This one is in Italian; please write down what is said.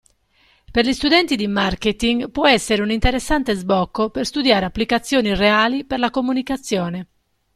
Per gli studenti di marketing può essere un interessante sbocco per studiare applicazioni reali per la comunicazione.